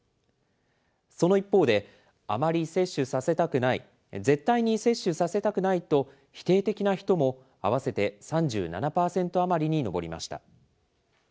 その一方で、あまり接種させたくない、絶対に接種させたくないと、否定的な人も合わせて３７％余りに上りました。